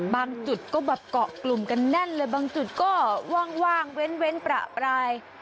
จุดก็แบบเกาะกลุ่มกันแน่นเลยบางจุดก็ว่างเว้นประปราย